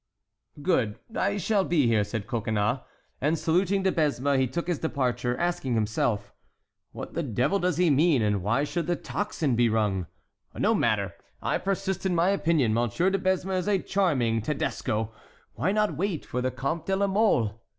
"Good—I shall be here," said Coconnas. And, saluting De Besme, he took his departure, asking himself: "What the devil does he mean and why should the tocsin be rung? No matter! I persist in my opinion: Monsieur de Besme is a charming Tedesco—Why not wait for the Comte de la Mole?